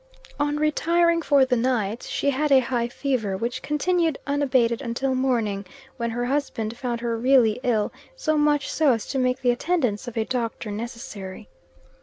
On retiring for the night, she had a high fever, which continued unabated until morning, when her husband found her really ill; so much so as to make the attendance of a doctor necessary.